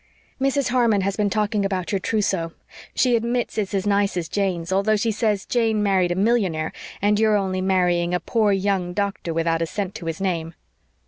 "Mrs. Harmon has been talking about your trousseau. She admits it's as nice as Jane's, although she says Jane married a millionaire and you are only marrying a 'poor young doctor without a cent to his name.'"